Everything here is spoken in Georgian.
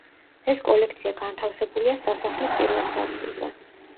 ეს კოლექცია განთავსებულია სასახლის პირველ სართულზე.